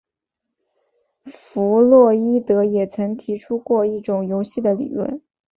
弗洛伊德也曾提出过一种游戏的理论。